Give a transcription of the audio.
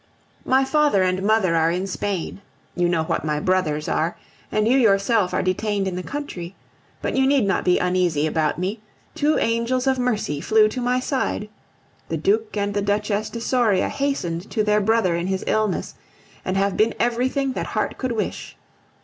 My father and mother are in Spain. You know what my brothers are, and you yourself are detained in the country. But you need not be uneasy about me; two angels of mercy flew to my side. The Duc and the Duchesse de Soria hastened to their brother in his illness, and have been everything that heart could wish.